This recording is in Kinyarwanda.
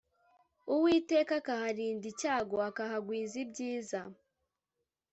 Uwiteka akaharinda icyago akahagwiza ibyiza